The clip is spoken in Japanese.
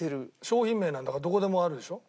商品名なんだからどこでもあるでしょ？